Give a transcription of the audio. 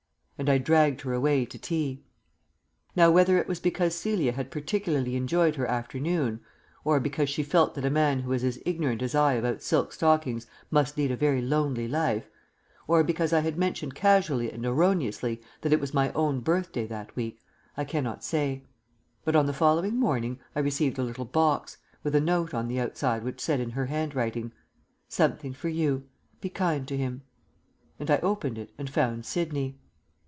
And I dragged her away to tea. Now whether it was because Celia had particularly enjoyed her afternoon; or because she felt that a man who was as ignorant as I about silk stockings must lead a very lonely life; or because I had mentioned casually and erroneously that it was my own birthday that week, I cannot say; but on the following morning I received a little box, with a note on the outside which said in her handwriting, "Something for you. Be kind to him." And I opened it and found Sidney.